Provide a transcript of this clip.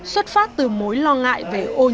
xuất phát từ mối lo ngại về ô nhiễm